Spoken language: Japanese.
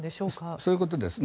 そういうことですね。